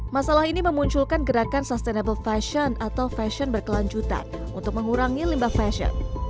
masalah ini memunculkan gerakan sustainable fashion atau fashion berkelanjutan untuk mengurangi limbah fashion